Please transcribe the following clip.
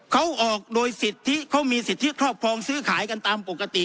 เขาออกโดยสิทธิเขามีสิทธิครอบครองซื้อขายกันตามปกติ